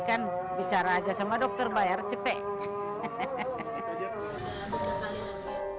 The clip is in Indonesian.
kan bicara aja sama dokter bayar cepek